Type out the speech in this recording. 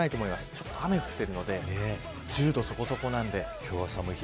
ちょっと雨降ってるので１０度そこそこなんで。